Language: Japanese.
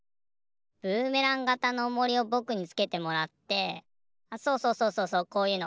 ブーメランがたのおもりをぼくにつけてもらってあっそうそうそうそうそうこういうの。